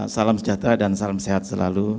salam sejahtera dan salam sehat selalu